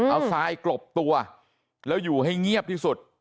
เอาทรายกลบตัวแล้วอยู่ให้เงียบที่สุด